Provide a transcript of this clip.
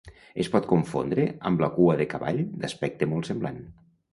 Es pot confondre amb la cua de cavall, d'aspecte molt semblant.